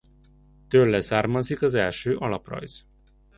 Tőle származik az első alaprajz.